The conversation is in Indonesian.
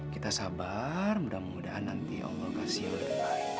kita sabar mudah mudahan nanti allah kasih yang lebih baik